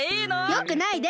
よくないです！